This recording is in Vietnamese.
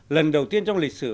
lần đầu tiên trong lịch sử